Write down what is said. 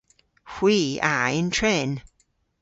Hwi a yn tren.